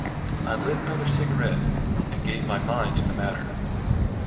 I lit another cigarette and gave my mind to the matter.